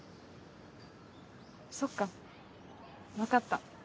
そっか分かった。